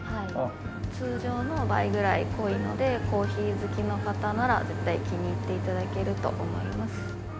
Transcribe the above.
通常の倍ぐらい濃いのでコーヒー好きの方なら絶対気に入って頂けると思います。